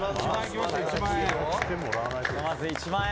宮田：まず、１万円。